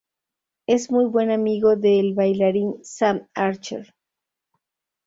Es muy buen amigo del bailarín Sam Archer.